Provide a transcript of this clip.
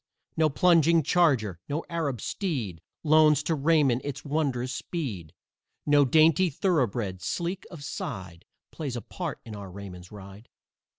No plunging charger, no Arab steed, Loans to Raymond its wondrous speed, No dainty thoroughbred, sleek of side, Plays a part in our Raymond's ride.